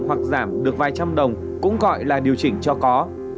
hoặc giảm được vài trăm đồng cũng gọi là điều chỉnh cho có